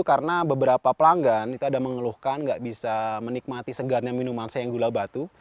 karena beberapa pelanggan itu ada mengeluhkan nggak bisa menikmati segarnya minuman saya yang gula batu